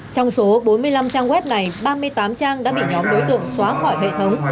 trong số bốn mươi năm trang web này ba mươi tám trang đã bị nhóm đối tượng xóa khỏi hệ thống